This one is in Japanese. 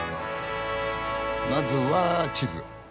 まずは地図。